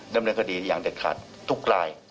ดำเนินคดีอย่างเด็ดขาดทุกราย